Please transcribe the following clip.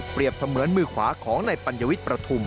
เปรียบเสมือนมือขวาของในปัญญวิทย์ประถุม